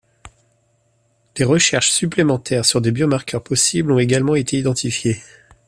Des recherches supplémentaires sur des biomarqueurs possibles ont également été identifiées.